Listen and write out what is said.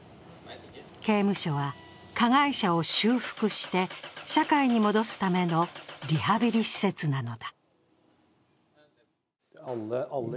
刑務所は加害者を修復して社会に戻すためのリハビリ施設なのだ。